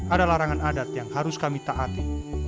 ada larangan adat yang harus kami taati